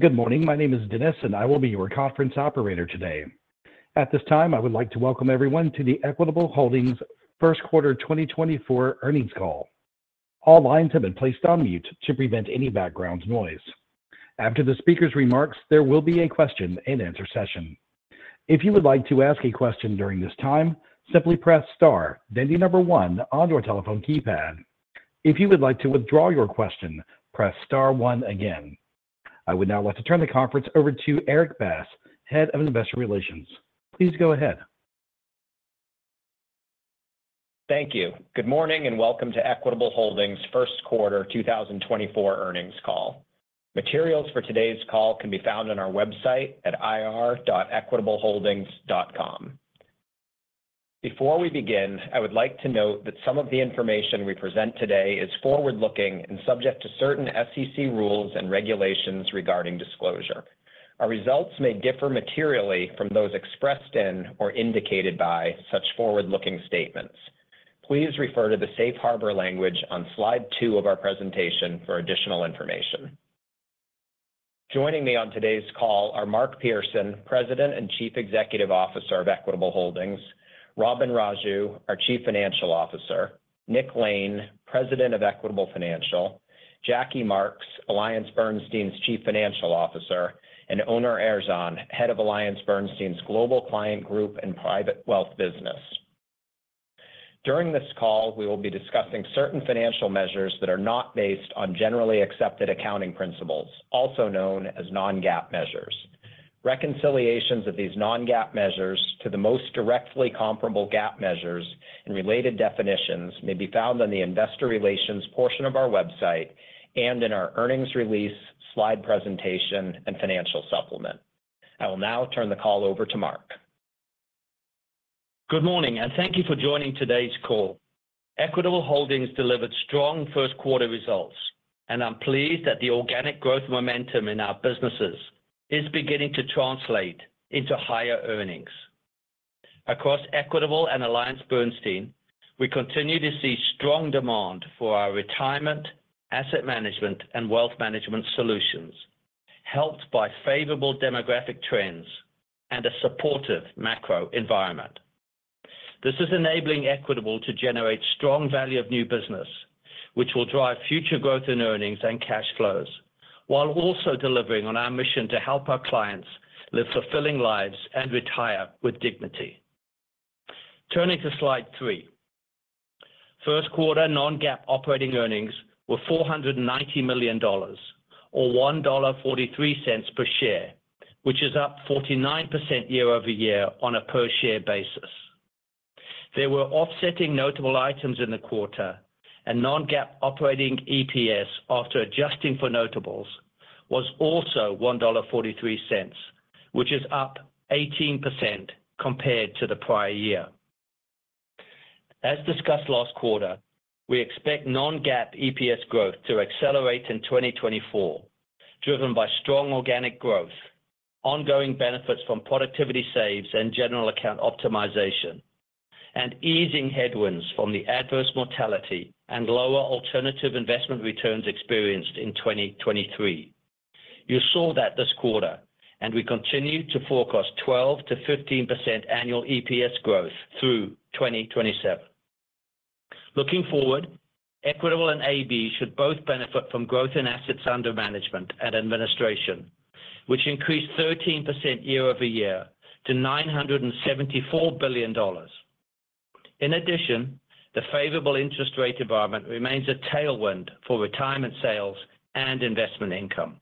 Good morning. My name is Dennis, and I will be your conference operator today. At this time, I would like to welcome everyone to the Equitable Holdings first quarter 2024 earnings call. All lines have been placed on mute to prevent any background noise. After the speaker's remarks, there will be a question-and-answer session. If you would like to ask a question during this time, simply press Star, then the number 1 on your telephone keypad. If you would like to withdraw your question, press Star 1 again. I would now like to turn the conference over to Erik Bass, Head of Investor Relations. Please go ahead. Thank you. Good morning, and welcome to Equitable Holdings first quarter 2024 earnings call. Materials for today's call can be found on our website at ir.equitableholdings.com. Before we begin, I would like to note that some of the information we present today is forward-looking and subject to certain SEC rules and regulations regarding disclosure. Our results may differ materially from those expressed in or indicated by such forward-looking statements. Please refer to the safe harbor language on slide 2 of our presentation for additional information. Joining me on today's call are Mark Pearson, President and Chief Executive Officer of Equitable Holdings, Robin Raju, our Chief Financial Officer, Nick Lane, President of Equitable Financial, Jackie Marks, AllianceBernstein's Chief Financial Officer, and Onur Erzan, Head of AllianceBernstein's Global Client Group and Private Wealth business. During this call, we will be discussing certain financial measures that are not based on generally accepted accounting principles, also known as Non-GAAP measures. Reconciliations of these Non-GAAP measures to the most directly comparable GAAP measures and related definitions may be found on the investor relations portion of our website and in our earnings release, slide presentation, and financial supplement. I will now turn the call over to Mark. Good morning, and thank you for joining today's call. Equitable Holdings delivered strong first quarter results, and I'm pleased that the organic growth momentum in our businesses is beginning to translate into higher earnings. Across Equitable and AllianceBernstein, we continue to see strong demand for our retirement, asset management, and wealth management solutions, helped by favorable demographic trends and a supportive macro environment. This is enabling Equitable to generate strong value of new business, which will drive future growth in earnings and cash flows, while also delivering on our mission to help our clients live fulfilling lives and retire with dignity. Turning to slide 3. First quarter non-GAAP operating earnings were $490 million or $1.43 per share, which is up 49% year-over-year on a per-share basis. There were offsetting notable items in the quarter, and non-GAAP operating EPS, after adjusting for notables, was also $1.43, which is up 18% compared to the prior year. As discussed last quarter, we expect non-GAAP EPS growth to accelerate in 2024, driven by strong organic growth, ongoing benefits from productivity saves and general account optimization, and easing headwinds from the adverse mortality and lower alternative investment returns experienced in 2023. You saw that this quarter, and we continue to forecast 12% to 15% annual EPS growth through 2027. Looking forward, Equitable and AB should both benefit from growth in assets under management and administration, which increased 13% year-over-year to $974 billion. In addition, the favorable interest rate environment remains a tailwind for retirement sales and investment income.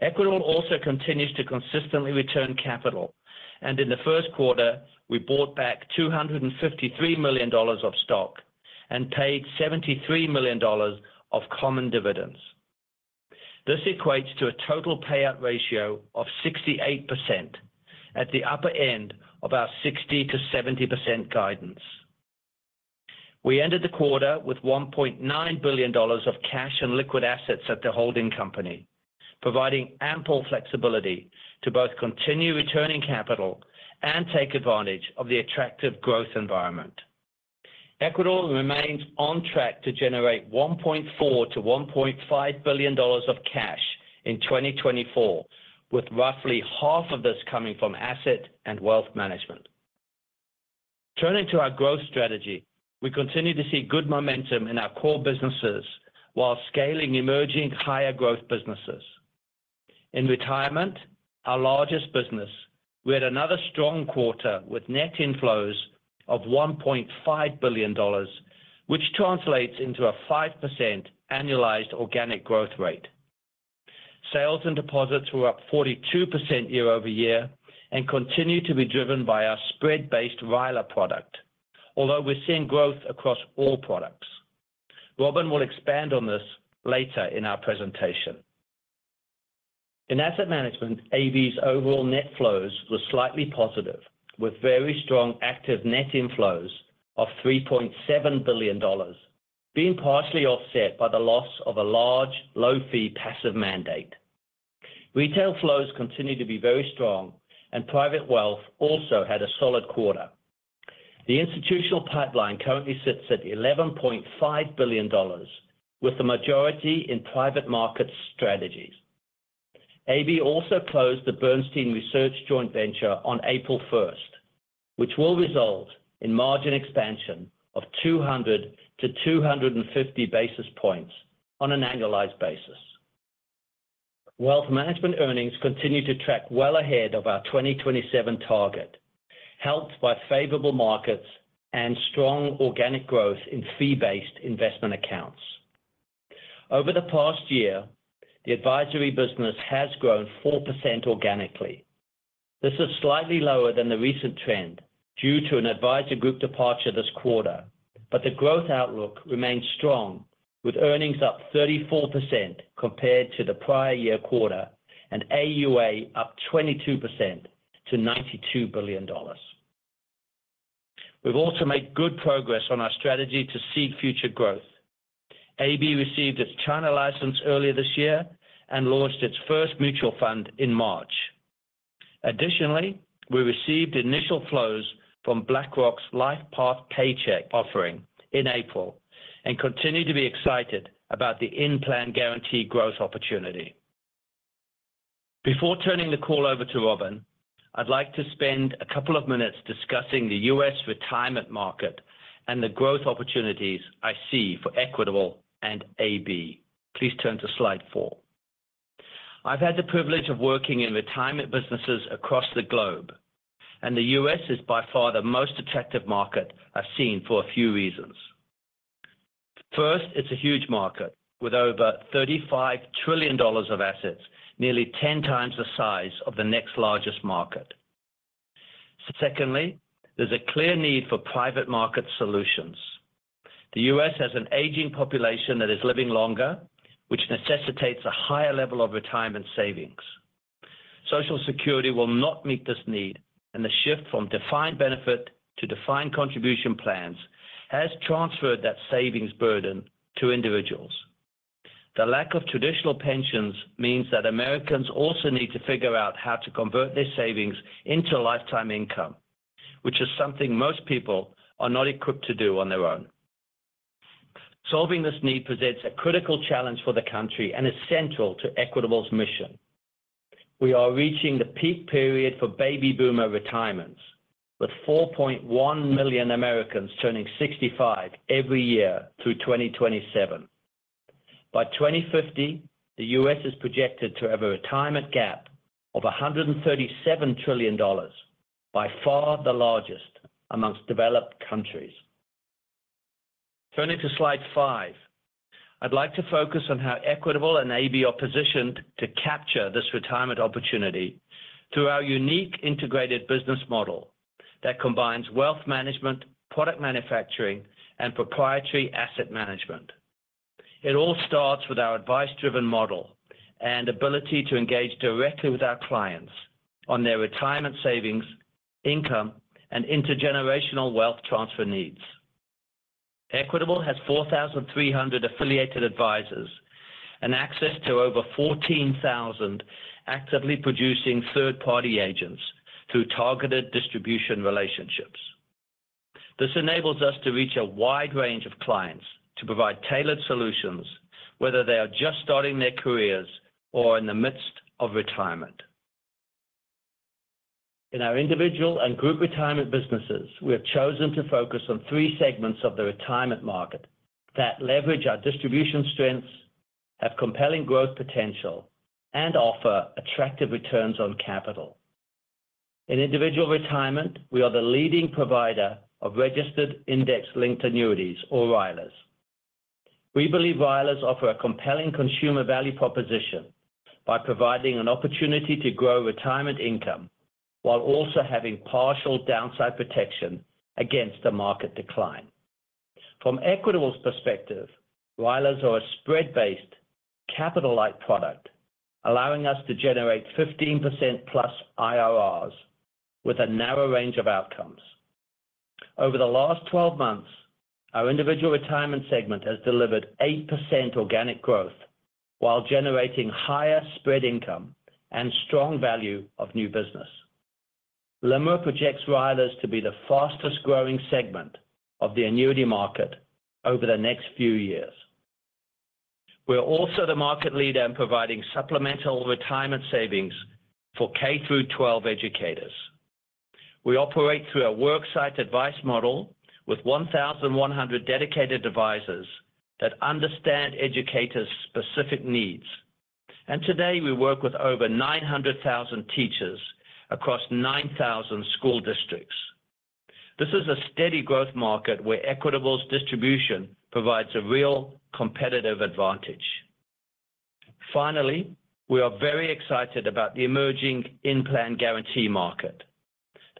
Equitable also continues to consistently return capital, and in the first quarter, we bought back $253 million of stock and paid $73 million of common dividends. This equates to a total payout ratio of 68% at the upper end of our 60% to 70% guidance. We ended the quarter with $1.9 billion of cash and liquid assets at the holding company, providing ample flexibility to both continue returning capital and take advantage of the attractive growth environment. Equitable remains on track to generate $1.4 billion to $1.5 billion of cash in 2024, with roughly half of this coming from asset and wealth management. Turning to our growth strategy, we continue to see good momentum in our core businesses while scaling emerging higher growth businesses. In Retirement, our largest business, we had another strong quarter with net inflows of $1.5 billion, which translates into a 5% annualized organic growth rate. Sales and deposits were up 42% year-over-year and continue to be driven by our spread-based RILA product. Although we're seeing growth across all products. Robin will expand on this later in our presentation. In Asset Management, AB's overall net flows were slightly positive, with very strong active net inflows of $3.7 billion, being partially offset by the loss of a large, low-fee passive mandate. Retail flows continue to be very strong, and private wealth also had a solid quarter. The institutional pipeline currently sits at $11.5 billion, with the majority in private market strategies. AB also closed the Bernstein Research joint venture on April first, which will result in margin expansion of 200-250 basis points on an annualized basis. Wealth management earnings continue to track well ahead of our 2027 target, helped by favorable markets and strong organic growth in fee-based investment accounts. Over the past year, the advisory business has grown 4% organically. This is slightly lower than the recent trend due to an advisor group departure this quarter, but the growth outlook remains strong, with earnings up 34% compared to the prior year quarter, and AUA up 22% to $92 billion. We've also made good progress on our strategy to seek future growth. AB received its China license earlier this year and launched its first mutual fund in March. Additionally, we received initial flows from BlackRock's LifePath Paycheck offering in April, and continue to be excited about the in-plan guarantee growth opportunity. Before turning the call over to Robin, I'd like to spend a couple of minutes discussing the U.S. retirement market and the growth opportunities I see for Equitable and AB. Please turn to slide four. I've had the privilege of working in retirement businesses across the globe, and the U.S. is by far the most attractive market I've seen for a few reasons. First, it's a huge market, with over $35 trillion of assets, nearly 10 times the size of the next largest market. Secondly, there's a clear need for private market solutions. The U.S. has an aging population that is living longer, which necessitates a higher level of retirement savings. Social Security will not meet this need, and the shift from defined benefit to defined contribution plans has transferred that savings burden to individuals. The lack of traditional pensions means that Americans also need to figure out how to convert their savings into lifetime income, which is something most people are not equipped to do on their own. Solving this need presents a critical challenge for the country and is central to Equitable's mission. We are reaching the peak period for baby boomer retirements, with 4.1 million Americans turning 65 every year through 2027. By 2050, the U.S. is projected to have a retirement gap of $137 trillion, by far the largest among developed countries. Turning to slide 5, I'd like to focus on how Equitable and AB are positioned to capture this retirement opportunity through our unique integrated business model that combines wealth management, product manufacturing, and proprietary asset management. It all starts with our advice-driven model and ability to engage directly with our clients on their retirement savings, income, and intergenerational wealth transfer needs. Equitable has 4,300 affiliated advisors and access to over 14,000 actively producing third-party agents through targeted distribution relationships. This enables us to reach a wide range of clients to provide tailored solutions, whether they are just starting their careers or in the midst of retirement. In our individual and group retirement businesses, we have chosen to focus on three segments of the retirement market that leverage our distribution strengths, have compelling growth potential, and offer attractive returns on capital. In individual retirement, we are the leading provider of registered index-linked annuities or RILAs. We believe RILAs offer a compelling consumer value proposition by providing an opportunity to grow retirement income, while also having partial downside protection against the market decline. From Equitable's perspective, RILAs are a spread-based, capital-light product, allowing us to generate 15%+ IRRs with a narrow range of outcomes. Over the last 12 months, our individual retirement segment has delivered 8% organic growth while generating higher spread income and strong value of new business. LIMRA projects RILAs to be the fastest growing segment of the annuity market over the next few years. We're also the market leader in providing supplemental retirement savings for K through twelve educators. We operate through our work site advice model with 1,100 dedicated advisors that understand educators' specific needs. Today, we work with over 900,000 teachers across 9,000 school districts. This is a steady growth market where Equitable's distribution provides a real competitive advantage. Finally, we are very excited about the emerging in-plan guarantee market.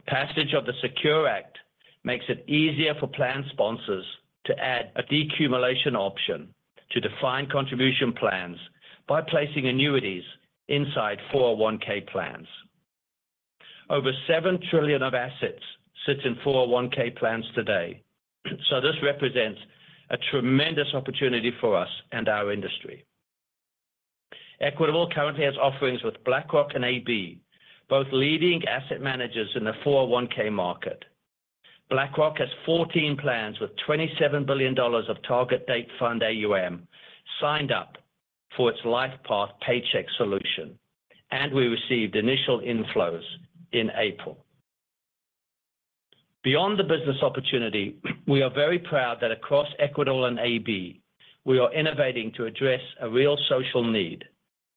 The passage of the SECURE Act makes it easier for plan sponsors to add a decumulation option to defined contribution plans by placing annuities inside 401(k) plans. Over $7 trillion of assets sits in 401(k) plans today, so this represents a tremendous opportunity for us and our industry.... Equitable currently has offerings with BlackRock and AB, both leading asset managers in the 401(k) market. BlackRock has 14 plans with $27 billion of target date fund AUM, signed up for its LifePath Paycheck solution, and we received initial inflows in April. Beyond the business opportunity, we are very proud that across Equitable and AB, we are innovating to address a real social need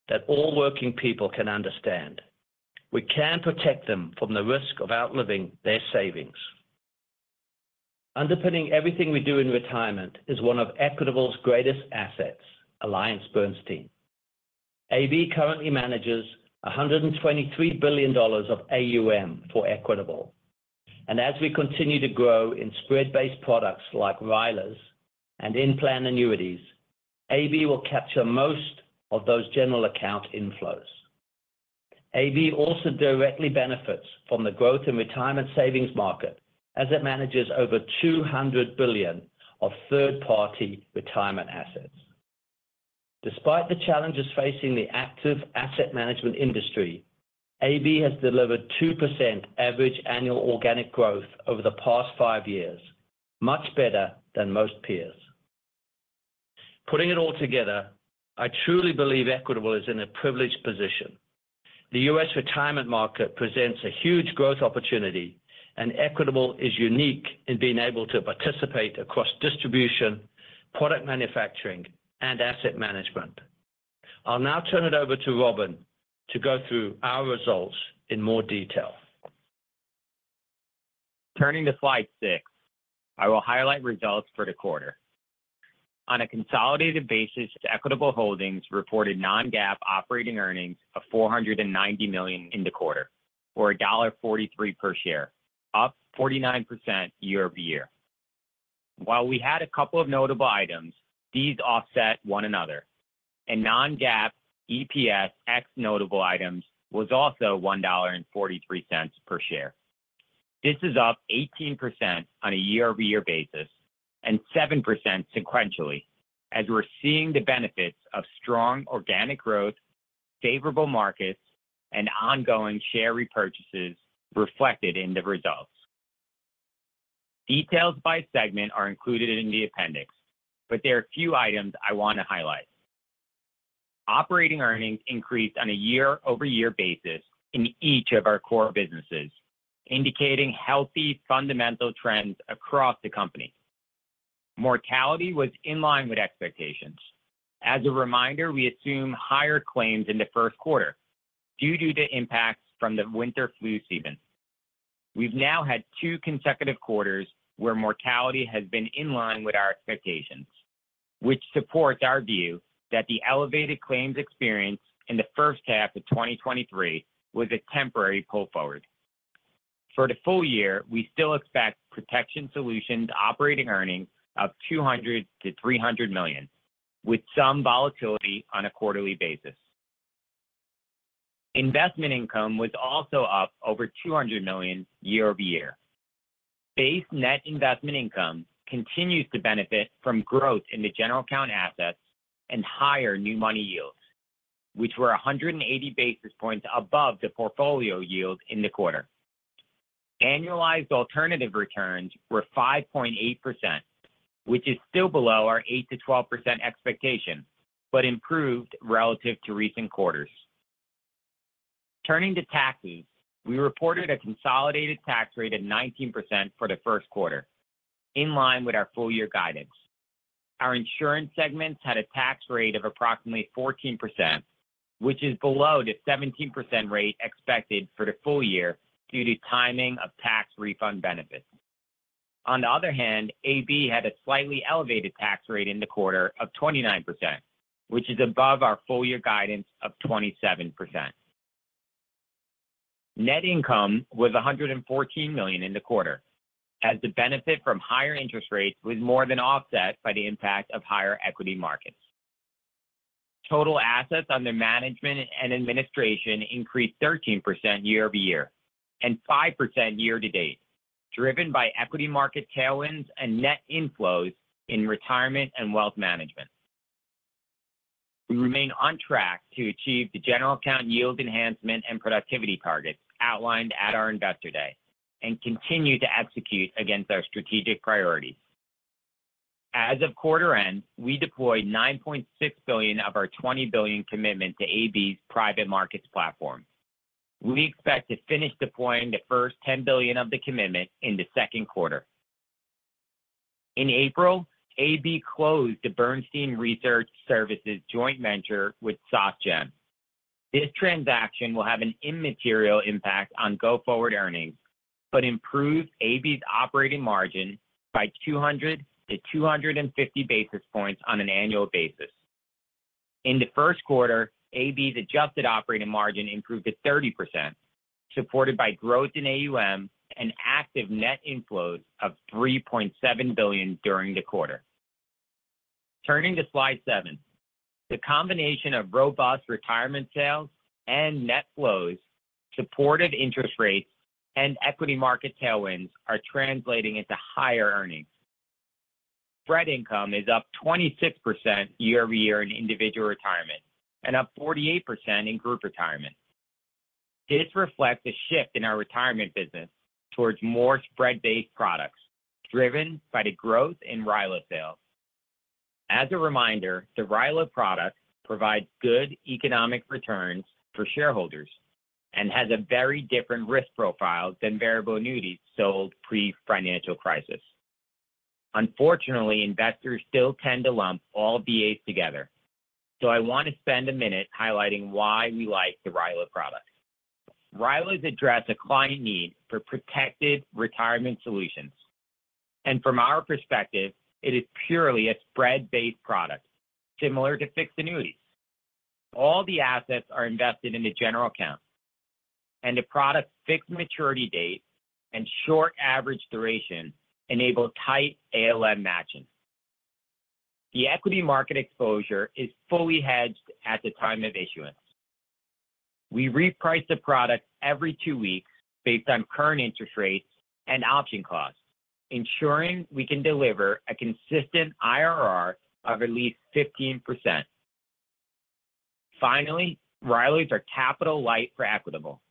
that all working people can understand. We can protect them from the risk of outliving their savings. Underpinning everything we do in retirement is one of Equitable's greatest assets, AllianceBernstein. AB currently manages $123 billion of AUM for Equitable, and as we continue to grow in spread-based products like RILAs and in-plan annuities, AB will capture most of those general account inflows. AB also directly benefits from the growth in retirement savings market as it manages over $200 billion of third-party retirement assets. Despite the challenges facing the active asset management industry, AB has delivered 2% average annual organic growth over the past 5 years, much better than most peers. Putting it all together, I truly believe Equitable is in a privileged position. The U.S. retirement market presents a huge growth opportunity, and Equitable is unique in being able to participate across distribution, product manufacturing, and asset management. I'll now turn it over to Robin to go through our results in more detail. Turning to slide 6, I will highlight results for the quarter. On a consolidated basis, Equitable Holdings reported non-GAAP operating earnings of $490 million in the quarter, or $1.43 per share, up 49% year-over-year. While we had a couple of notable items, these offset one another, and non-GAAP EPS ex notable items was also $1.43 per share. This is up 18% on a year-over-year basis and 7% sequentially, as we're seeing the benefits of strong organic growth, favorable markets, and ongoing share repurchases reflected in the results. Details by segment are included in the appendix, but there are a few items I want to highlight. Operating earnings increased on a year-over-year basis in each of our core businesses, indicating healthy fundamental trends across the company. Mortality was in line with expectations. As a reminder, we assume higher claims in the first quarter due to the impacts from the winter flu season. We've now had two consecutive quarters where mortality has been in line with our expectations, which supports our view that the elevated claims experience in the first half of 2023 was a temporary pull forward. For the full year, we still expect protection solutions operating earnings of $200 million-$300 million, with some volatility on a quarterly basis. Investment income was also up over $200 million year-over-year. Base net investment income continues to benefit from growth in the general account assets and higher new money yields, which were 180 basis points above the portfolio yield in the quarter. Annualized alternative returns were 5.8%, which is still below our 8% to 12% expectation, but improved relative to recent quarters. Turning to taxes, we reported a consolidated tax rate of 19% for the first quarter, in line with our full year guidance. Our insurance segments had a tax rate of approximately 14%, which is below the 17% rate expected for the full year due to timing of tax refund benefits. On the other hand, AB had a slightly elevated tax rate in the quarter of 29%, which is above our full year guidance of 27%. Net income was $114 million in the quarter, as the benefit from higher interest rates was more than offset by the impact of higher equity markets. Total assets under management and administration increased 13% year-over-year, and 5% year-to-date, driven by equity market tailwinds and net inflows in retirement and wealth management. We remain on track to achieve the general account yield enhancement and productivity targets outlined at our Investor Day and continue to execute against our strategic priorities. As of quarter-end, we deployed $9.6 billion of our $20 billion commitment to AB's private markets platform. We expect to finish deploying the first $10 billion of the commitment in the second quarter. In April, AB closed the Bernstein Research Services joint venture with Société Générale. This transaction will have an immaterial impact on go-forward earnings, but improves AB's operating margin by 200 to 250 basis points on an annual basis. In the first quarter, AB's adjusted operating margin improved to 30%, supported by growth in AUM and active net inflows of $3.7 billion during the quarter. Turning to slide 7. The combination of robust retirement sales and net flows, supported interest rates and equity market tailwinds, are translating into higher earnings. Spread income is up 26% year-over-year in individual retirement and up 48% in group retirement. This reflects a shift in our retirement business towards more spread-based products, driven by the growth in RILA sales. As a reminder, the RILA product provides good economic returns for shareholders and has a very different risk profile than variable annuities sold pre-financial crisis. Unfortunately, investors still tend to lump all VAs together, so I want to spend a minute highlighting why we like the RILA product. RILAs address a client need for protected retirement solutions, and from our perspective, it is purely a spread-based product, similar to fixed annuities. All the assets are invested in the general account, and the product's fixed maturity date and short average duration enable tight ALM matching. The equity market exposure is fully hedged at the time of issuance. We reprice the product every two weeks based on current interest rates and option costs, ensuring we can deliver a consistent IRR of at least 15%. Finally, RILAs are capital light for Equitable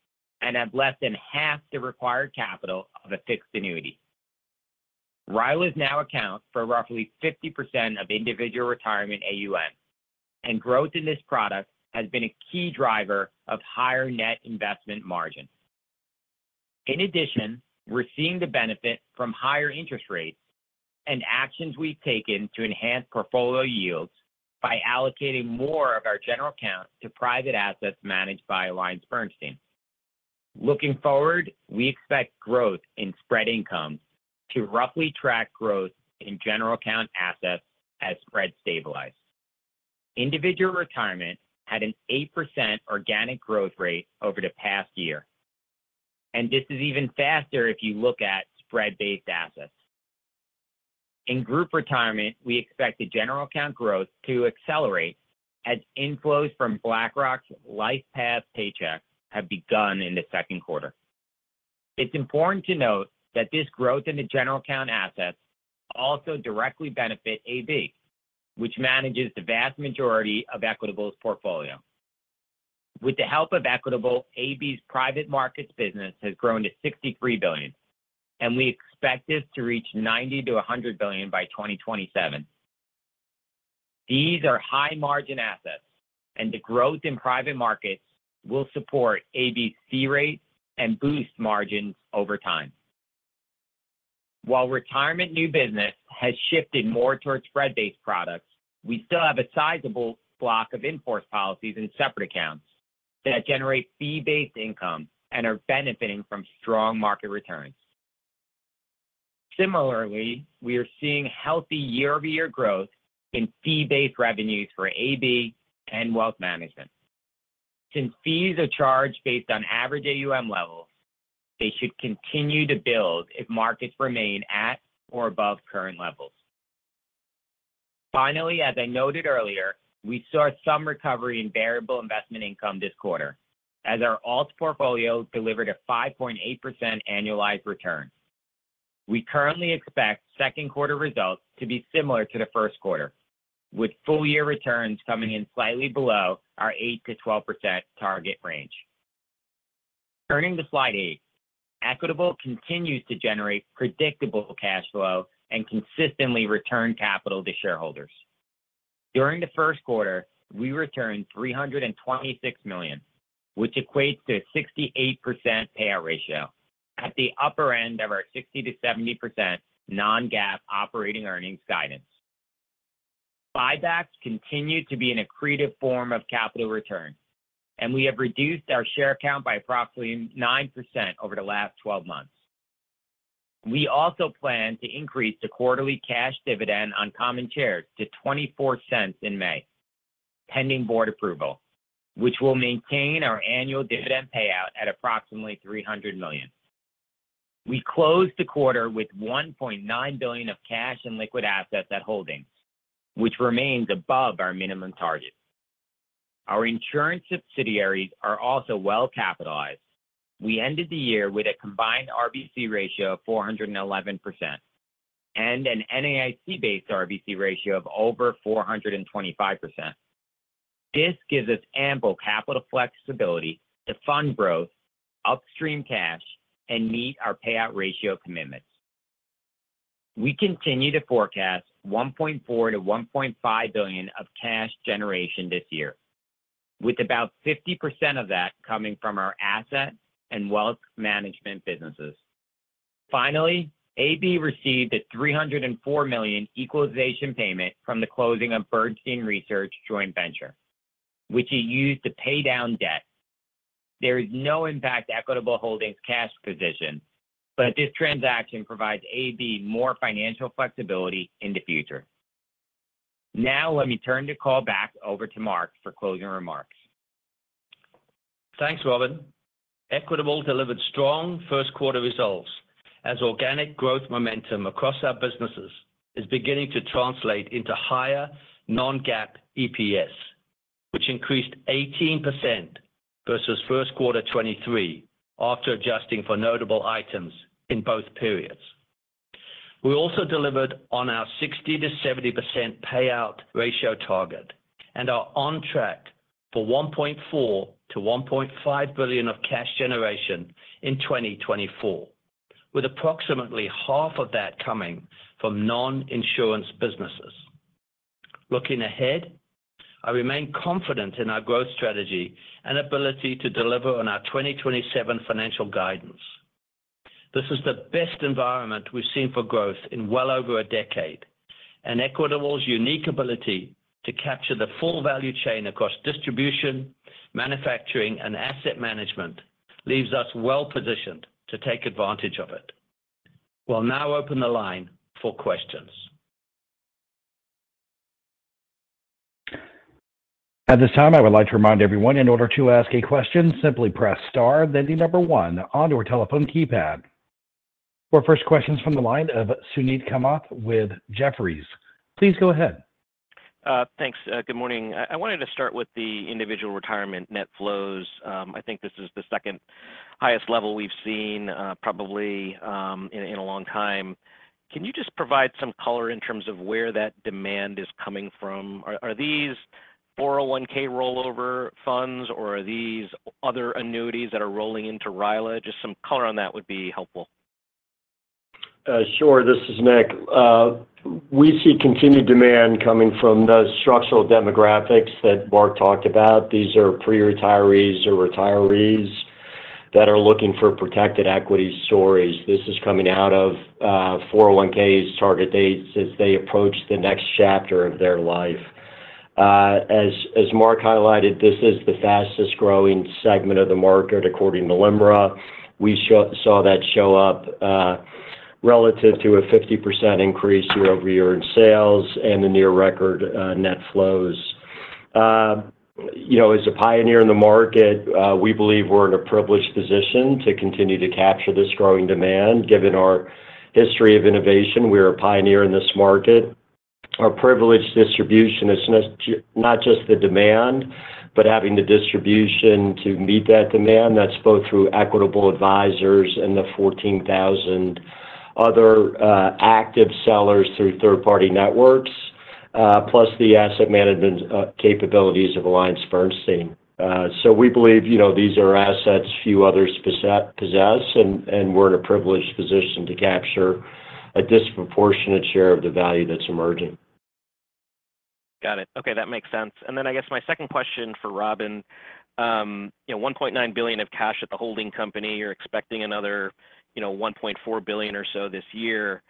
and have less than half the required capital of a fixed annuity. RILAs now account for roughly 50% of individual retirement AUM, and growth in this product has been a key driver of higher net investment margins. In addition, we're seeing the benefit from higher interest rates and actions we've taken to enhance portfolio yields by allocating more of our general account to private assets managed by AllianceBernstein. Looking forward, we expect growth in spread income to roughly track growth in general account assets as spreads stabilize. Individual retirement had an 8% organic growth rate over the past year, and this is even faster if you look at spread-based assets. In group retirement, we expect the general account growth to accelerate as inflows from BlackRock's LifePath Paycheck have begun in the second quarter. It's important to note that this growth in the general account assets also directly benefit AB, which manages the vast majority of Equitable's portfolio. With the help of Equitable, AB's private markets business has grown to $63 billion, and we expect this to reach $90 billion-$100 billion by 2027. These are high-margin assets, and the growth in private markets will support AB fee rates and boost margins over time. While retirement new business has shifted more towards spread-based products, we still have a sizable block of in-force policies in separate accounts that generate fee-based income and are benefiting from strong market returns. Similarly, we are seeing healthy year-over-year growth in fee-based revenues for AB and wealth management. Since fees are charged based on average AUM levels, they should continue to build if markets remain at or above current levels. Finally, as I noted earlier, we saw some recovery in variable investment income this quarter as our alt portfolio delivered a 5.8% annualized return. We currently expect second quarter results to be similar to the first quarter, with full year returns coming in slightly below our 8% to 12% target range. Turning to slide 8, Equitable continues to generate predictable cash flow and consistently return capital to shareholders. During the first quarter, we returned $326 million, which equates to a 68% payout ratio at the upper end of our 60% to 70% non-GAAP operating earnings guidance. Buybacks continue to be an accretive form of capital return, and we have reduced our share count by approximately 9% over the last 12 months. We also plan to increase the quarterly cash dividend on common shares to $0.24 in May, pending board approval, which will maintain our annual dividend payout at approximately $300 million. We closed the quarter with $1.9 billion of cash and liquid assets at Holdings, which remains above our minimum target. Our insurance subsidiaries are also well capitalized. We ended the year with a combined RBC ratio of 411% and an NAIC-based RBC ratio of over 425%. This gives us ample capital flexibility to fund growth, upstream cash, and meet our payout ratio commitments. We continue to forecast $1.4 billion to $1.5 billion of cash generation this year, with about 50% of that coming from our asset and wealth management businesses. Finally, AB received a $304 million equalization payment from the closing of Bernstein Research Joint Venture, which it used to pay down debt. There is no impact to Equitable Holdings' cash position, but this transaction provides AB more financial flexibility in the future. Now, let me turn the call back over to Mark for closing remarks. Thanks, Robin. Equitable delivered strong first quarter results as organic growth momentum across our businesses is beginning to translate into higher non-GAAP EPS, which increased 18% versus first quarter 2023, after adjusting for notable items in both periods. We also delivered on our 60% to 70% payout ratio target and are on track for $1.4 billion to $1.5 billion of cash generation in 2024, with approximately half of that coming from non-insurance businesses. Looking ahead, I remain confident in our growth strategy and ability to deliver on our 2027 financial guidance. This is the best environment we've seen for growth in well over a decade, and Equitable's unique ability to capture the full value chain across distribution, manufacturing, and asset management leaves us well-positioned to take advantage of it. We'll now open the line for questions. At this time, I would like to remind everyone, in order to ask a question, simply press star, then the number one on your telephone keypad. Our first question's from the line of Suneet Kamath with Jefferies. Please go ahead. Thanks. Good morning. I wanted to start with the individual retirement net flows. I think this is the second highest level we've seen, probably, in a long time. Can you just provide some color in terms of where that demand is coming from? Are these 401 rollover funds, or are these other annuities that are rolling into RILA? Just some color on that would be helpful. Sure. This is Nick. We see continued demand coming from the structural demographics that Mark talked about. These are pre-retirees or retirees that are looking for protected equity storage. This is coming out of 401(k)s target dates as they approach the next chapter of their life. As Mark highlighted, this is the fastest-growing segment of the market, according to LIMRA. We saw that show up relative to a 50% increase year-over-year in sales and the near-record net flows. You know, as a pioneer in the market, we believe we're in a privileged position to continue to capture this growing demand, given our history of innovation. We are a pioneer in this market. Our privileged distribution is not just the demand, but having the distribution to meet that demand. That's both through Equitable Advisors and the 14,000 other active sellers through third-party networks, plus the asset management capabilities of AllianceBernstein. So we believe, you know, these are assets few others possess, and we're in a privileged position to capture a disproportionate share of the value that's emerging. Got it. Okay, that makes sense. And then I guess my second question for Robin, you know, $1.9 billion of cash at the holding company. You're expecting another, you know, $1.4 billion or so this year.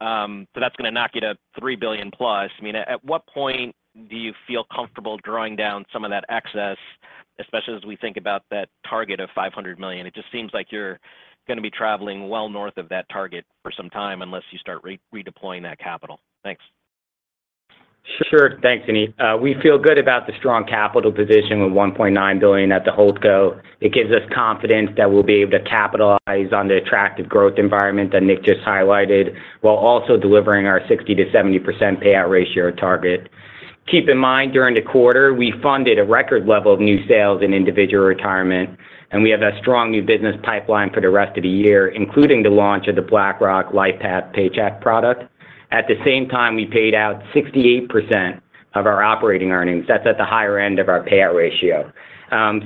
So that's gonna knock you to $3 billion plus. I mean, at what point do you feel comfortable drawing down some of that excess, especially as we think about that target of $500 million? It just seems like you're gonna be traveling well north of that target for some time unless you start redeploying that capital. Thanks. Sure. Thanks, Suneet. We feel good about the strong capital position with $1.9 billion at the Holdco. It gives us confidence that we'll be able to capitalize on the attractive growth environment that Nick just highlighted, while also delivering our 60% to 70% payout ratio target. Keep in mind, during the quarter, we funded a record level of new sales in individual retirement, and we have a strong new business pipeline for the rest of the year, including the launch of the BlackRock LifePath Paycheck product. At the same time, we paid out 68% of our operating earnings. That's at the higher end of our payout ratio.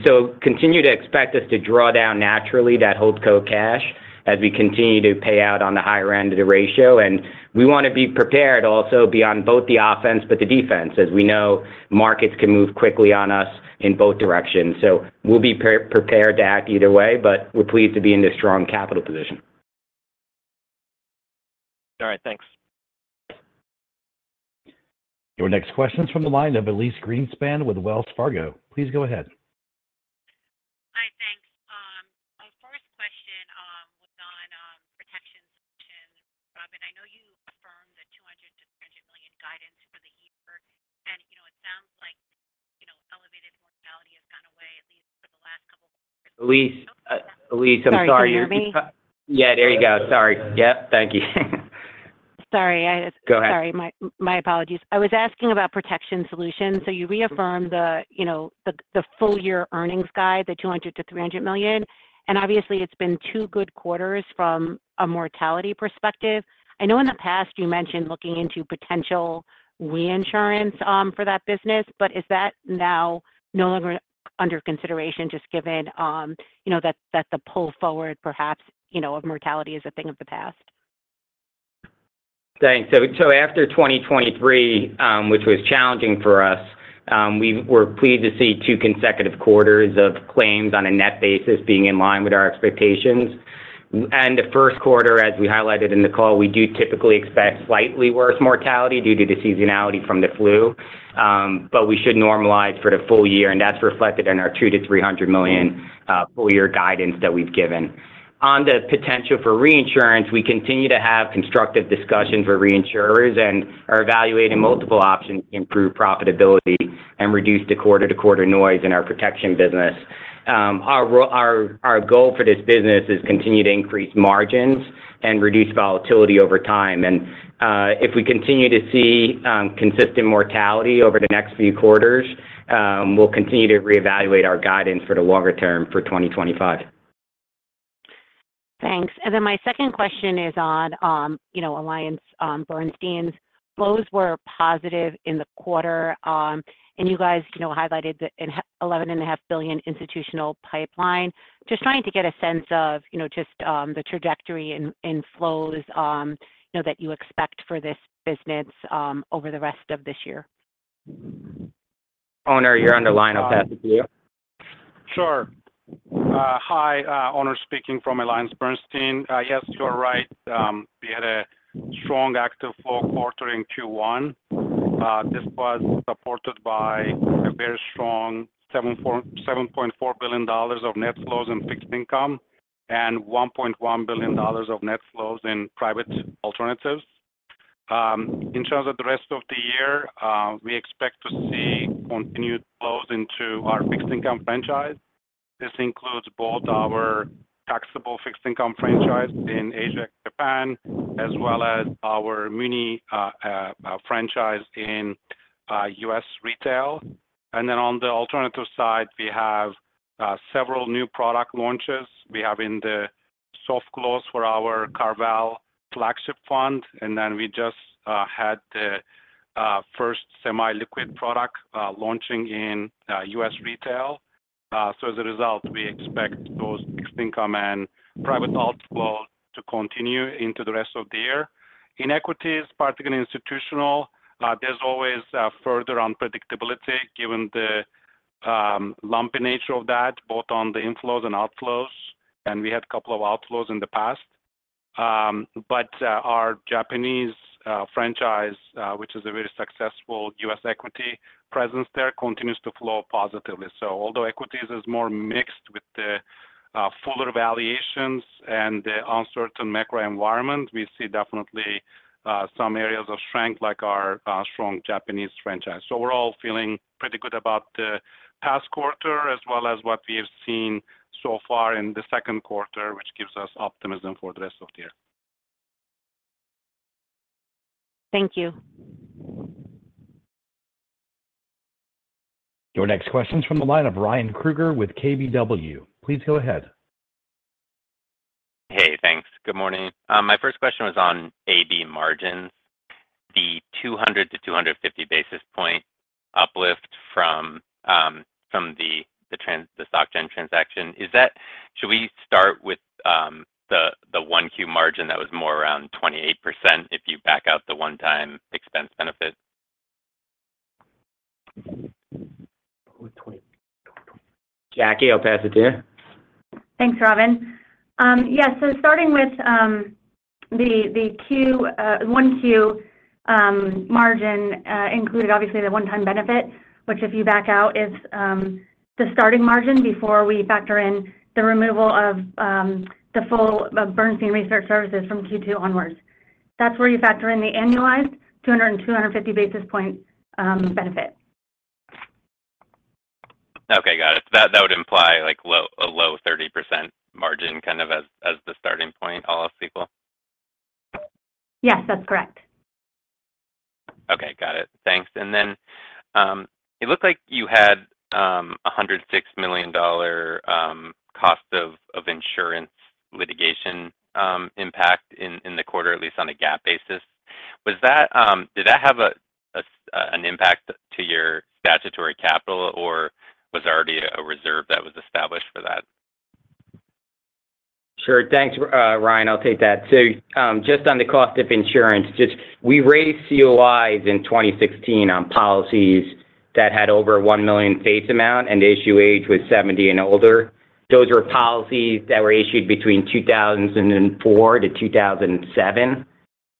So continue to expect us to draw down naturally that Holdco cash as we continue to pay out on the higher end of the ratio, and we want to be prepared also be on both the offense but the defense, as we know, markets can move quickly on us in both directions. So we'll be prepared to act either way, but we're pleased to be in this strong capital position. All right. Thanks. Your next question is from the line of Elyse Greenspan with Wells Fargo. Please go ahead. Hi, thanks. My first question was on protection solutions. Robin, I know you affirmed the $200 million to $300 million guidance for the year, and, you know, it sounds like, you know, elevated mortality has gone away, at least for the last couple of years- Elyse, Elyse, I'm sorry- Sorry, can you hear me? Yeah, there you go. Sorry. Yep, thank you. Sorry, I- Go ahead. Sorry, my apologies. I was asking about protection solutions. So you reaffirmed the, you know, the full year earnings guide, the $200 million to $300 million, and obviously it's been two good quarters from a mortality perspective. I know in the past you mentioned looking into potential reinsurance for that business, but is that now no longer under consideration, just given, you know, that the pull forward perhaps, you know, of mortality is a thing of the past? Thanks. So after 2023, which was challenging for us, we were pleased to see two consecutive quarters of claims on a net basis being in line with our expectations. And the first quarter, as we highlighted in the call, we do typically expect slightly worse mortality due to the seasonality from the flu. But we should normalize for the full year, and that's reflected in our $200 million to $300 million full year guidance that we've given. On the potential for reinsurance, we continue to have constructive discussions with reinsurers and are evaluating multiple options to improve profitability and reduce the quarter-to-quarter noise in our protection business. Our goal for this business is continue to increase margins and reduce volatility over time. If we continue to see consistent mortality over the next few quarters, we'll continue to reevaluate our guidance for the longer term for 2025. Thanks. Then my second question is on, you know, AllianceBernstein's flows were positive in the quarter. And you guys, you know, highlighted the $11.5 billion institutional pipeline. Just trying to get a sense of, you know, just, the trajectory in, in flows, you know, that you expect for this business, over the rest of this year. Onur, you're on the line. I'll pass it to you. Sure. Hi, Onur speaking from AllianceBernstein. Yes, you are right. We had a strong active flow quarter in Q1. This was supported by a very strong $7.4 billion of net flows in fixed income and $1.1 billion of net flows in private alternatives. In terms of the rest of the year, we expect to see continued flows into our fixed income franchise. This includes both our taxable fixed income franchise in Asia, Japan, as well as our muni franchise in U.S. retail. And then on the alternative side, we have several new product launches. We have in the soft close for our CarVal flagship fund, and then we just had the first semi-liquid product launching in U.S. retail. So as a result, we expect those fixed income and private alt flow to continue into the rest of the year. In equities, particularly institutional, there's always further unpredictability given the lumpy nature of that, both on the inflows and outflows, and we had a couple of outflows in the past. But our Japanese franchise, which is a very successful US equity presence there, continues to flow positively. So although equities is more mixed with the fuller valuations and the uncertain macro environment, we see definitely some areas of strength, like our strong Japanese franchise. So we're all feeling pretty good about the past quarter, as well as what we have seen so far in the second quarter, which gives us optimism for the rest of the year. Thank you. Your next question is from the line of Ryan Krueger with KBW. Please go ahead. Hey, thanks. Good morning. My first question was on AB margins. The 200-250 basis point uplift from the SocGen transaction, is that... Should we start with the 1Q margin that was more around 28% if you back out the one-time expense benefit? Jackie, I'll pass it to you. Thanks, Robin. Yes, so starting with the Q1 margin included, obviously, the one-time benefit, which, if you back out, is the starting margin before we factor in the removal of the full Bernstein Research services from Q2 onwards. That's where you factor in the annualized 200 to 250 basis point benefit. Okay, got it. That would imply like a low 30% margin, kind of, as the starting point, all else equal? Yes, that's correct. Okay, got it. Thanks. And then, it looked like you had a $106 million cost of insurance litigation impact in the quarter, at least on a GAAP basis. Was that, did that have a, a, an impact to your statutory capital, or was there already a reserve that was established for that? Sure. Thanks, Ryan, I'll take that. So, just on the cost of insurance, just we raised COIs in 2016 on policies that had over 1 million face amount, and the issue age was 70 and older. Those were policies that were issued between 2004 to 2007.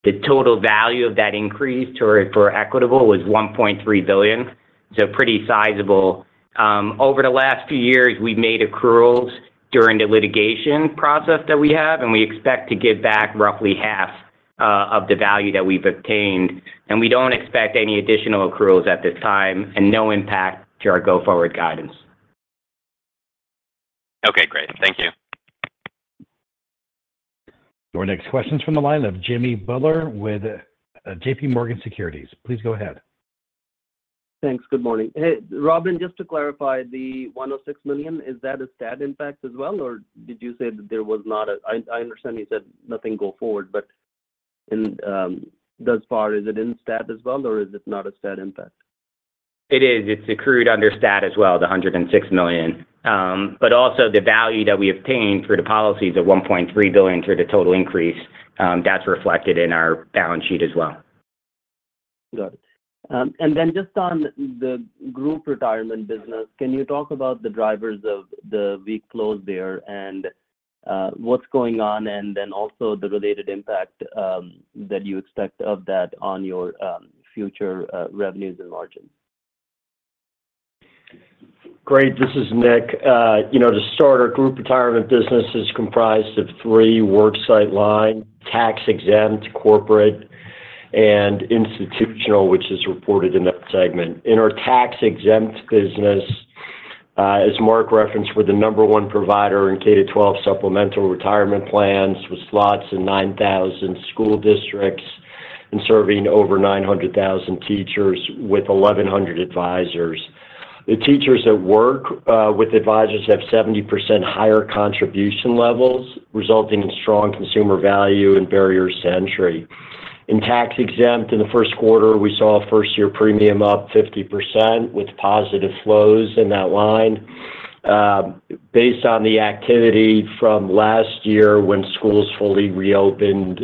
The total value of that increase, for Equitable, was $1.3 billion, so pretty sizable. Over the last few years, we've made accruals during the litigation process that we have, and we expect to give back roughly half of the value that we've obtained. And we don't expect any additional accruals at this time and no impact to our go-forward guidance. Okay, great. Thank you. Your next question is from the line of Jimmy Bhullar with JPMorgan Securities. Please go ahead. Thanks. Good morning. Hey, Robin, just to clarify, the $106 million, is that a STAT impact as well, or did you say that there was not a... I understand you said nothing go forward, but in, thus far, is it in STAT as well, or is it not a STAT impact? It is. It's accrued under STAT as well, the $106 million. But also the value that we obtained through the policies of $1.3 billion through the total increase, that's reflected in our balance sheet as well. Got it. And then just on the group retirement business, can you talk about the drivers of the weak close there and what's going on, and then also the related impact that you expect of that on your future revenues and margins? Great. This is Nick. You know, to start, our group retirement business is comprised of three work site line, tax exempt, corporate, and institutional, which is reported in that segment. In our tax-exempt business, as Mark referenced, we're the number one provider in K-12 supplemental retirement plans, with slots in 9,000 school districts and serving over 900,000 teachers with 1,100 advisors. The teachers that work with advisors have 70% higher contribution levels, resulting in strong consumer value and barriers to entry. In tax-exempt, in the first quarter, we saw a first-year premium up 50%, with positive flows in that line, based on the activity from last year when schools fully reopened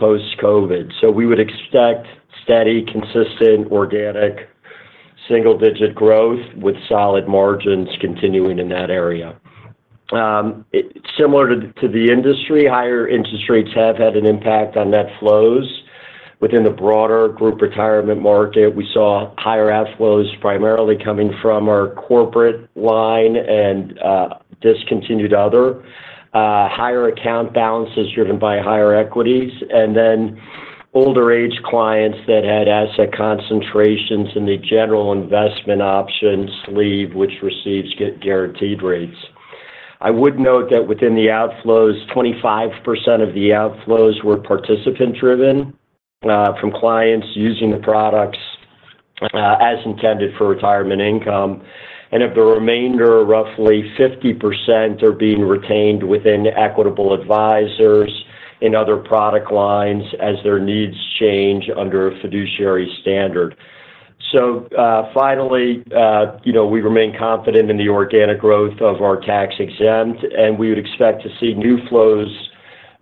post-COVID. So we would expect steady, consistent, organic, single-digit growth with solid margins continuing in that area. It's similar to the industry. Higher interest rates have had an impact on net flows within the broader group retirement market. We saw higher outflows primarily coming from our corporate line and discontinued other higher account balances driven by higher equities, and then older-age clients that had asset concentrations in the general investment options leave, which receive guaranteed rates. I would note that within the outflows, 25% of the outflows were participant-driven from clients using the products as intended for retirement income. Of the remainder, roughly 50% are being retained within Equitable Advisors in other product lines as their needs change under a Fiduciary Standard. Finally, you know, we remain confident in the organic growth of our tax-exempt, and we would expect to see new flows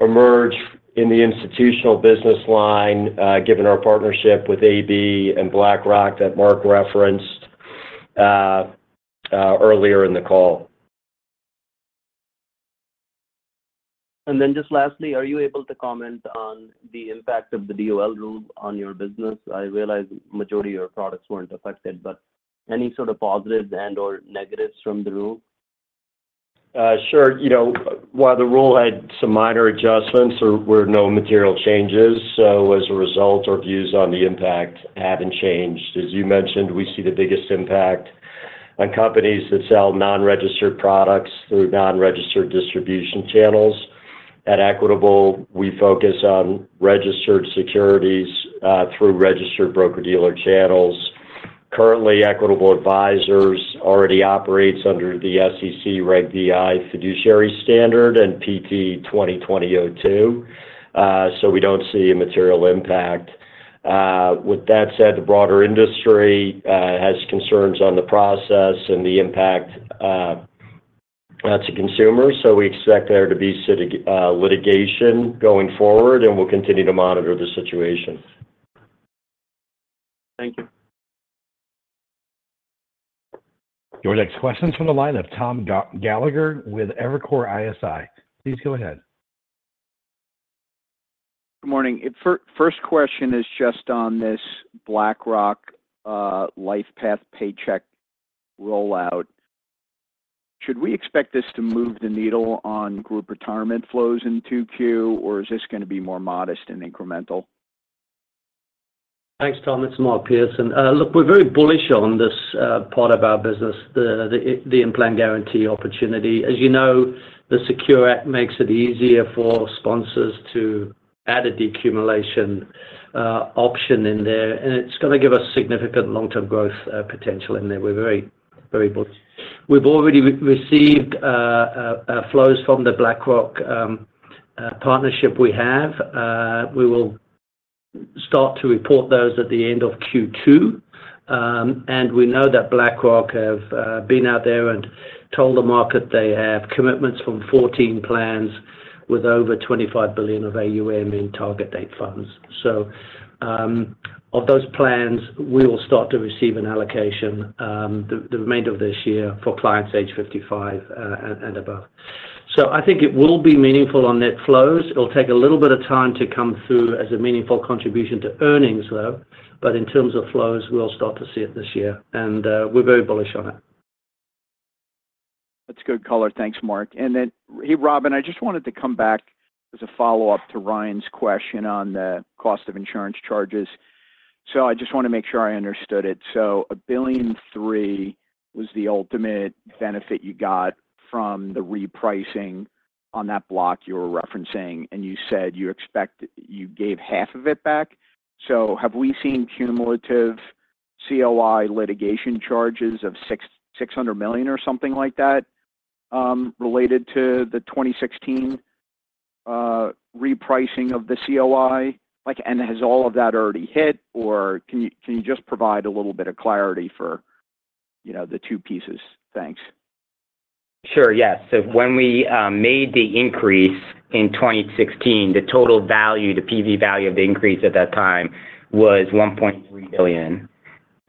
emerge in the institutional business line, given our partnership with AB and BlackRock that Mark referenced earlier in the call. And then just lastly, are you able to comment on the impact of the DOL rule on your business? I realize majority of your products weren't affected, but any sort of positives and/or negatives from the rule? Sure. You know, while the rule had some minor adjustments, there were no material changes, so as a result, our views on the impact haven't changed. As you mentioned, we see the biggest impact on companies that sell non-registered products through non-registered distribution channels. At Equitable, we focus on registered securities through registered broker-dealer channels. Currently, Equitable Advisors already operates under the SEC Reg BI fiduciary standard and PT 2020-02. So we don't see a material impact. With that said, the broader industry has concerns on the process and the impact to consumers, so we expect there to be litigation going forward, and we'll continue to monitor the situation. Thank you. Your next question's from the line of Tom Gallagher with Evercore ISI. Please go ahead. Good morning. My first question is just on this BlackRock LifePath Paycheck rollout. Should we expect this to move the needle on group retirement flows in 2Q, or is this going to be more modest and incremental? Thanks, Tom. It's Mark Pearson. Look, we're very bullish on this part of our business, the in-plan guarantee opportunity. As you know, the SECURE Act makes it easier for sponsors to add a decumulation option in there, and it's going to give us significant long-term growth potential in there. We're very, very bullish. We've already received flows from the BlackRock partnership we have. We will start to report those at the end of Q2. And we know that BlackRock have been out there and told the market they have commitments from 14 plans with over $25 billion of AUM in target date funds. So, of those plans, we will start to receive an allocation, the remainder of this year for clients age 55 and above. I think it will be meaningful on net flows. It'll take a little bit of time to come through as a meaningful contribution to earnings, though. But in terms of flows, we'll start to see it this year, and we're very bullish on it. That's good color. Thanks, Mark. Hey, Robin, I just wanted to come back as a follow-up to Ryan's question on the cost of insurance charges. So I just want to make sure I understood it. So $1.3 billion was the ultimate benefit you got from the repricing on that block you were referencing, and you said you expect you gave half of it back. So have we seen cumulative COI litigation charges of $600 million or something like that, related to the 2016 repricing of the COI? Like, and has all of that already hit, or can you just provide a little bit of clarity for, you know, the two pieces? Thanks. Sure, yes. So when we made the increase in 2016, the total value, the PV value of the increase at that time was $1.3 billion.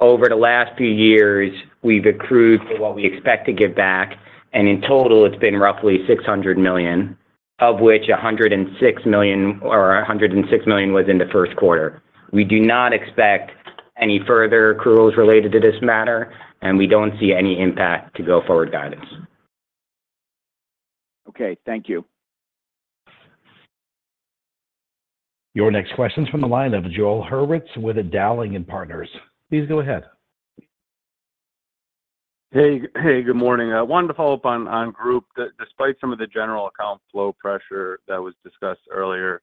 Over the last few years, we've accrued for what we expect to give back, and in total, it's been roughly $600 million, of which $106 million or $106 million was in the first quarter. We do not expect any further accruals related to this matter, and we don't see any impact to go-forward guidance.... Okay, thank you. Your next question is from the line of Joel Hurwitz with Dowling & Partners. Please go ahead. Hey, hey, good morning. I wanted to follow up on the group that despite some of the General Account flow pressure that was discussed earlier,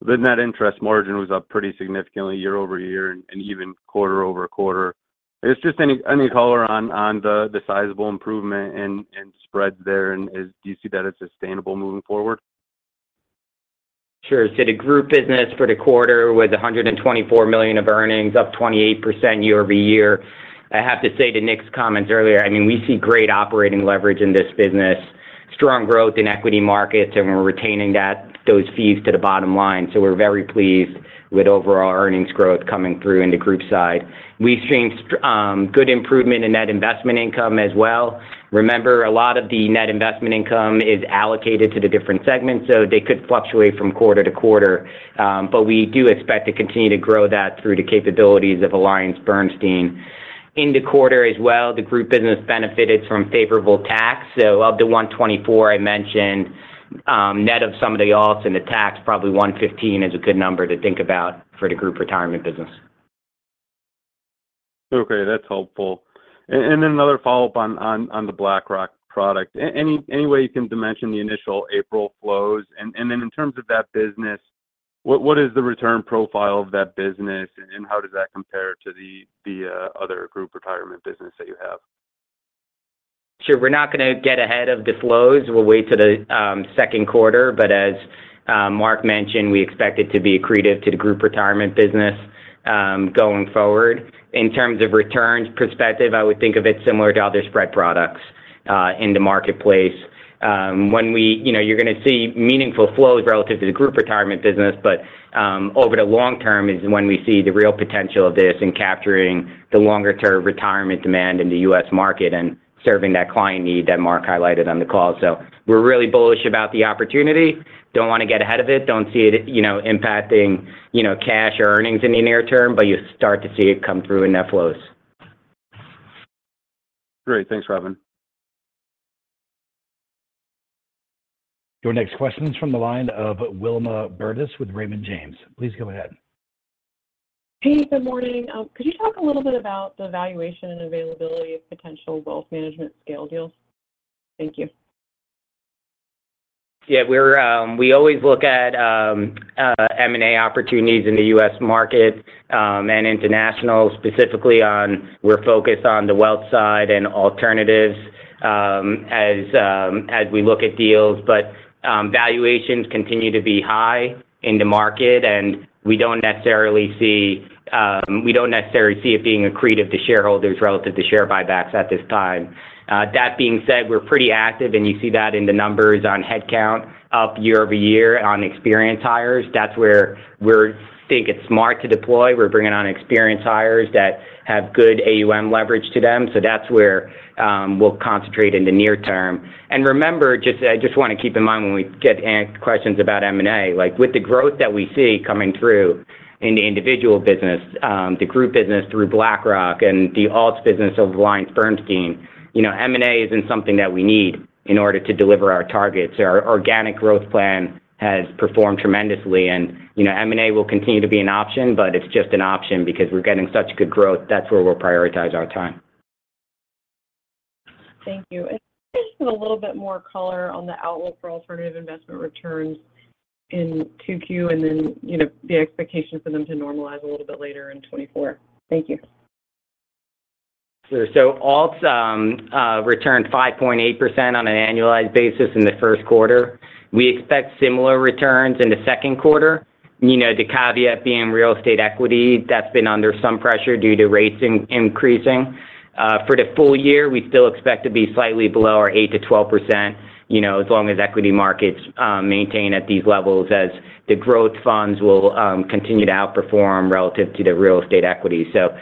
the net interest margin was up pretty significantly year-over-year and even quarter-over-quarter. It's just any color on the sizable improvement in spreads there, and is -- do you see that as sustainable moving forward? Sure. So the group business for the quarter was $124 million of earnings, up 28% year-over-year. I have to say to Nick's comments earlier, I mean, we see great operating leverage in this business, strong growth in equity markets, and we're retaining that, those fees to the bottom line. So we're very pleased with overall earnings growth coming through in the group side. We've seen good improvement in net investment income as well. Remember, a lot of the net investment income is allocated to the different segments, so they could fluctuate from quarter to quarter. But we do expect to continue to grow that through the capabilities of AllianceBernstein. In the quarter as well, the group business benefited from favorable tax, so of the $124 I mentioned, net of some of the alts and the tax, probably $115 is a good number to think about for the group retirement business. Okay, that's helpful. And then another follow-up on the BlackRock product. Any way you can dimension the initial April flows? And then in terms of that business, what is the return profile of that business, and how does that compare to the other group retirement business that you have? Sure. We're not going to get ahead of the flows. We'll wait to the second quarter, but as Mark mentioned, we expect it to be accretive to the group retirement business going forward. In terms of returns perspective, I would think of it similar to other spread products in the marketplace. You know, you're going to see meaningful flows relative to the group retirement business, but over the long term is when we see the real potential of this in capturing the longer term retirement demand in the US market and serving that client need that Mark highlighted on the call. So we're really bullish about the opportunity. Don't want to get ahead of it. Don't see it, you know, impacting, you know, cash or earnings in the near term, but you start to see it come through in net flows. Great. Thanks, Robin. Your next question is from the line of Wilma Burdis with Raymond James. Please go ahead. Hey, good morning. Could you talk a little bit about the valuation and availability of potential wealth management scale deals? Thank you. Yeah, we always look at M&A opportunities in the U.S. market and international, specifically on, we're focused on the wealth side and alternatives as we look at deals. But valuations continue to be high in the market, and we don't necessarily see it being accretive to shareholders relative to share buybacks at this time. That being said, we're pretty active, and you see that in the numbers on headcount up year-over-year on experienced hires. That's where we think it's smart to deploy. We're bringing on experienced hires that have good AUM leverage to them, so that's where we'll concentrate in the near term. And remember, just, I just want to keep in mind when we get any questions about M&A, like, with the growth that we see coming through in the individual business, the group business through BlackRock and the alts business of AllianceBernstein, you know, M&A isn't something that we need in order to deliver our targets. Our organic growth plan has performed tremendously, and, you know, M&A will continue to be an option, but it's just an option because we're getting such good growth. That's where we'll prioritize our time. Thank you. And just a little bit more color on the outlook for alternative investment returns in 2Q, and then, you know, the expectation for them to normalize a little bit later in 2024. Thank you. Sure. So alts returned 5.8% on an annualized basis in the first quarter. We expect similar returns in the second quarter. You know, the caveat being real estate equity, that's been under some pressure due to rates increasing. For the full year, we still expect to be slightly below our 8% to 12%, you know, as long as equity markets maintain at these levels, as the growth funds will continue to outperform relative to the real estate equity. So,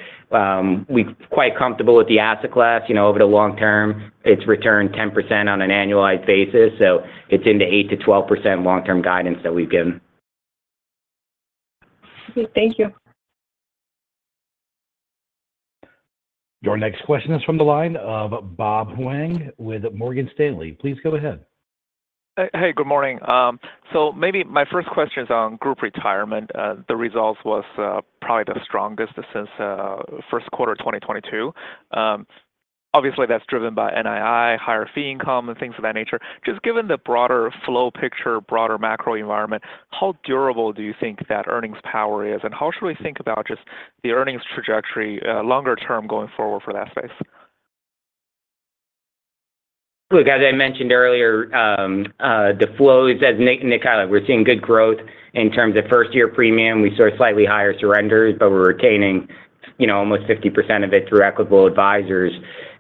we're quite comfortable with the asset class. You know, over the long term, it's returned 10% on an annualized basis, so it's in the 8% to 12% long-term guidance that we've given. Okay. Thank you. Your next question is from the line of Bob Huang with Morgan Stanley. Please go ahead. Hey, good morning. So maybe my first question is on group retirement. The results was probably the strongest since first quarter of 2022. Obviously, that's driven by NII, higher fee income, and things of that nature. Just given the broader flow picture, broader macro environment, how durable do you think that earnings power is, and how should we think about just the earnings trajectory longer term going forward for that space? Look, as I mentioned earlier, the flows, as Nick highlighted, we're seeing good growth in terms of first-year premium. We saw slightly higher surrenders, but we're retaining, you know, almost 50% of it through Equitable Advisors.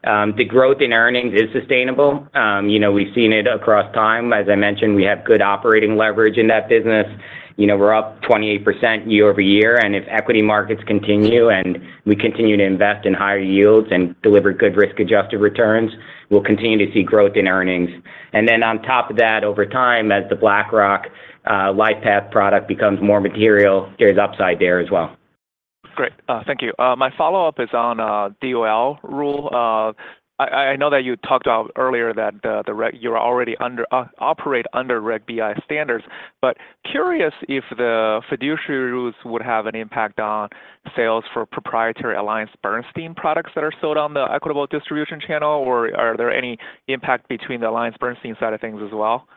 The growth in earnings is sustainable. You know, we've seen it across time. As I mentioned, we have good operating leverage in that business. You know, we're up 28% year-over-year, and if equity markets continue, and we continue to invest in higher yields and deliver good risk-adjusted returns, we'll continue to see growth in earnings. And then on top of that, over time, as the BlackRock LifePath product becomes more material, there's upside there as well. ... Great. Thank you. My follow-up is on DOL rule. I know that you talked about earlier that the reg- you're already under operate under Reg BI standards, but curious if the fiduciary rules would have an impact on sales for proprietary AllianceBernstein products that are sold on the Equitable distribution channel, or are there any impact between the AllianceBernstein side of things as well?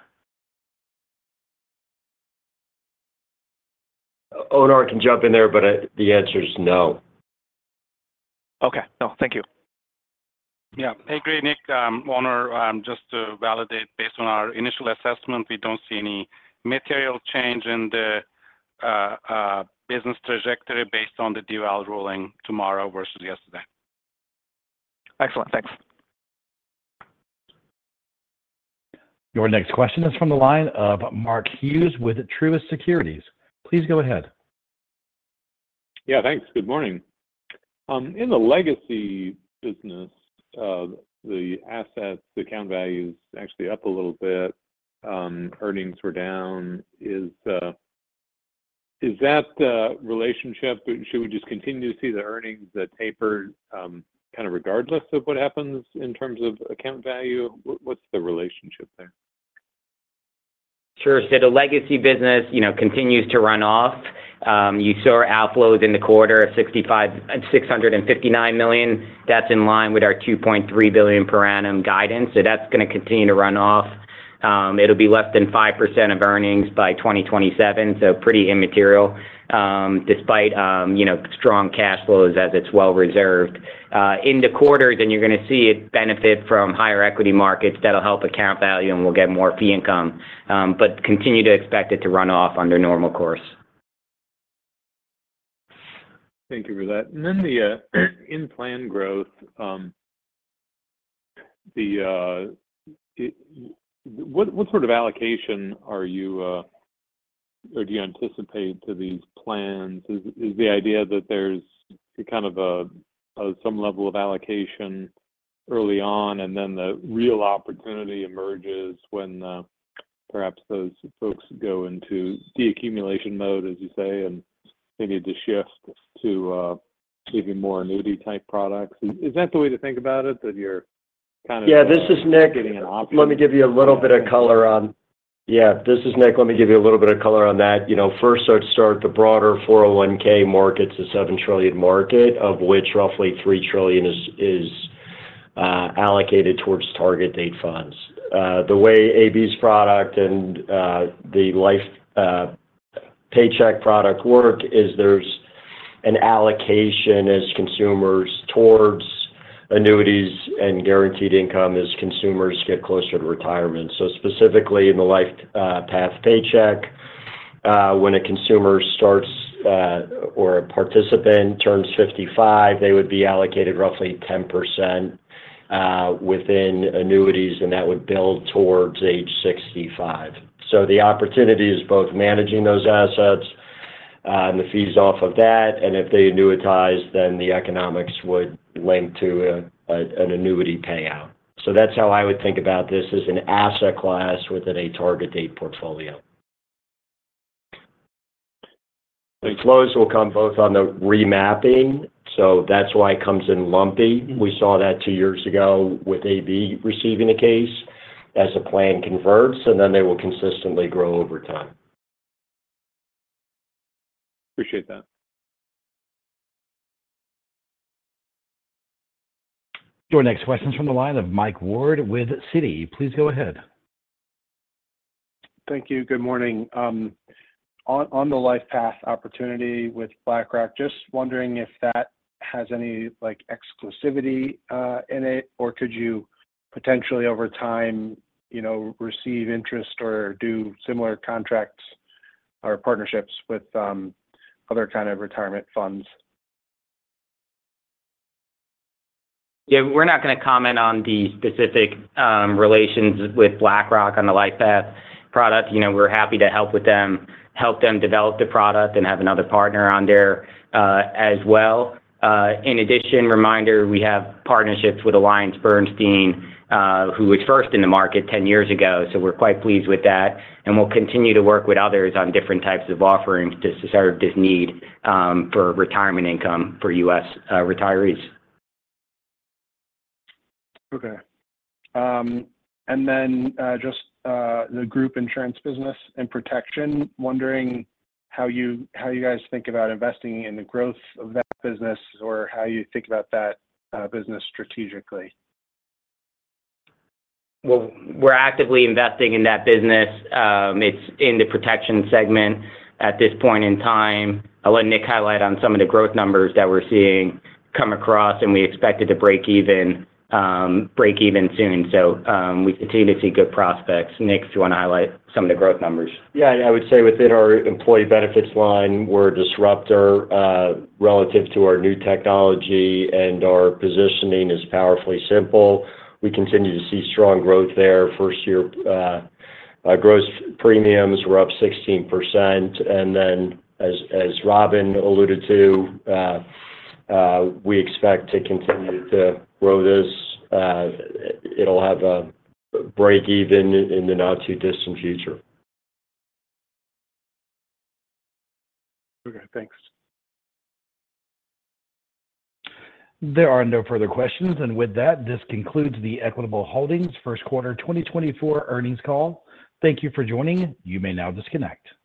Onur can jump in there, but the answer is no. Okay. No, thank you. Yeah. Hey, great, Nick. I'm Onur. Just to validate, based on our initial assessment, we don't see any material change in the business trajectory based on the DOL ruling tomorrow versus yesterday. Excellent. Thanks. Your next question is from the line of Mark Hughes with Truist Securities. Please go ahead. Yeah, thanks. Good morning. In the legacy business, the assets, the account value is actually up a little bit, earnings were down. Is that the relationship? Should we just continue to see the earnings that taper kinda regardless of what happens in terms of account value? What’s the relationship there? Sure. So the legacy business, you know, continues to run off. You saw our outflows in the quarter, $659 million. That's in line with our $2.3 billion per annum guidance, so that's gonna continue to run off. It'll be less than 5% of earnings by 2027, so pretty immaterial, despite, you know, strong cash flows as it's well reserved. In the quarter, then you're gonna see it benefit from higher equity markets that'll help account value, and we'll get more fee income. But continue to expect it to run off under normal course. Thank you for that. And then the in-plan growth, what sort of allocation are you or do you anticipate to these plans? Is the idea that there's kind of a some level of allocation early on, and then the real opportunity emerges when perhaps those folks go into the accumulation mode, as you say, and they need to shift to maybe more annuity-type products. Is that the way to think about it, that you're kind of- Yeah, this is Nick. Getting an option- Let me give you a little bit of color on that. Yeah, this is Nick. Let me give you a little bit of color on that. You know, first, to start, the broader 401(k) market is a $7 trillion market, of which roughly $3 trillion is allocated towards target date funds. The way AB's product and the LifePath Paycheck product work is there's an allocation as consumers towards annuities and guaranteed income as consumers get closer to retirement. So specifically in the LifePath Paycheck, when a consumer starts or a participant turns 55, they would be allocated roughly 10% within annuities, and that would build towards age 65. So the opportunity is both managing those assets, and the fees off of that, and if they annuitize, then the economics would link to an annuity payout. So that's how I would think about this, as an asset class within a target date portfolio. The flows will come both on the remapping, so that's why it comes in lumpy. We saw that two years ago with AB receiving a slice as the plan converts, and then they will consistently grow over time. Appreciate that. Your next question is from the line of Mike Ward with Citi. Please go ahead. Thank you. Good morning. On the LifePath opportunity with BlackRock, just wondering if that has any, like, exclusivity in it, or could you potentially, over time, you know, receive interest or do similar contracts or partnerships with other kind of retirement funds? Yeah, we're not gonna comment on the specific relations with BlackRock on the LifePath product. You know, we're happy to help with them, help them develop the product and have another partner on there, as well. In addition, reminder, we have partnerships with AllianceBernstein, who was first in the market ten years ago, so we're quite pleased with that, and we'll continue to work with others on different types of offerings to serve this need, for retirement income for U.S. retirees. Okay. And then, just the group insurance business and protection, wondering how you guys think about investing in the growth of that business or how you think about that business strategically? Well, we're actively investing in that business. It's in the protection segment at this point in time. I'll let Nick highlight on some of the growth numbers that we're seeing come across, and we expect it to break even, break even soon. We continue to see good prospects. Nick, do you want to highlight some of the growth numbers? Yeah, I would say within our employee benefits line, we're a disruptor, relative to our new technology, and our positioning is powerfully simple. We continue to see strong growth there. First year, our gross premiums were up 16%. And then, as Robin alluded to, we expect to continue to grow this. It'll have a break even in the not-too-distant future. Okay, thanks. There are no further questions. With that, this concludes the Equitable Holdings first quarter 2024 earnings call. Thank you for joining. You may now disconnect.